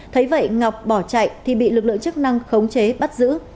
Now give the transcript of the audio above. thấy vậy ngọc bỏ chạy thì bị lực lượng chức năng khống chế bắt giữ